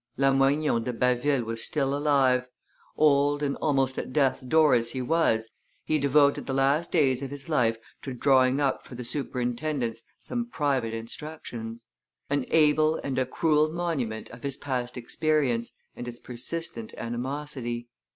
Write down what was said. Lamoignon de Baville was still alive; old and almost at death's door as he was, he devoted the last days of his life to drawing up for the superintendents some private instructions; an able and a cruel monument of his past experience and his persistent animosity.